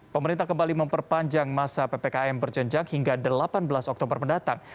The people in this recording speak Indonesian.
pemerintah kembali memperpanjang masa ppkm berjenjang hingga delapan belas oktober mendatang